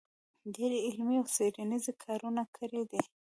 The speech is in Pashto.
ډېر علمي او څېړنیز کارونه کړي دی